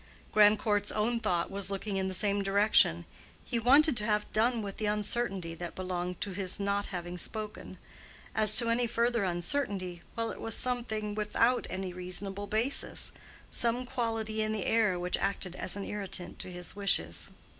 Grandcourt's own thought was looking in the same direction: he wanted to have done with the uncertainty that belonged to his not having spoken. As to any further uncertainty—well, it was something without any reasonable basis, some quality in the air which acted as an irritant to his wishes.